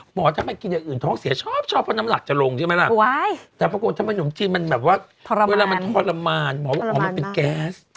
ทำไมกินอย่างอื่นท้องเสียชอบชอบเพราะน้ำหนักจะลงใช่ไหมล่ะแต่ปรากฏทำไมหนมจีนมันแบบว่าเวลามันทรมานหมอบอกอ๋อมันเป็นแก๊ส